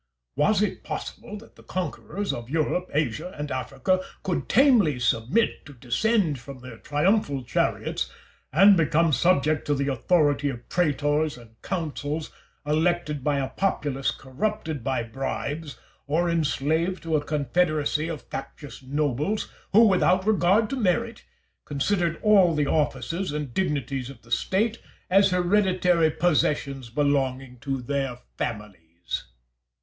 Was it possible that the conquerors of Europe, Asia, and Africa could tamely submit to descend from their triumphal chariots and become subject to the authority of praetors and consuls elected by a populace corrupted by bribes, or enslaved to a confederacy of factious nobles, who, without regard to merit, considered all the offices and dignities of the State as hereditary possessions belonging to their families?